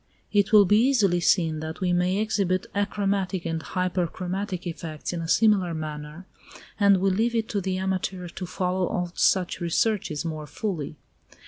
It will be easily seen that we may exhibit achromatic and hyperchromatic effects in a similar manner, and we leave it to the amateur to follow out such researches more fully.